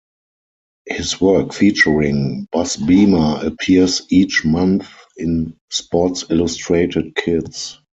His work featuring Buzz Beamer appears each month in "Sports Illustrated Kids".